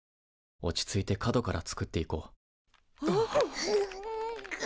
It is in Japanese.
落ち着いて角から作っていこう。